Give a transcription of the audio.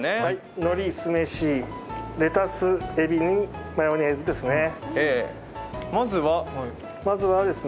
のり、酢飯、レタス、エビにマヨネーズですね。